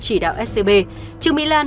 chỉ đạo scb trương mỹ lan